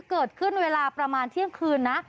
เกิดขึ้นเวลาประมาณเที่ยงคืนนะ